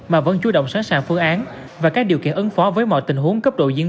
mà vẫn chú động sẵn sàng phương án và các điều kiện ứng phó với mọi tình huống cấp độ diễn